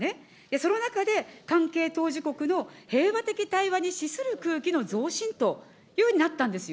その中で関係当事国の平和的対話に資する空気の増進というふうになったんですよ。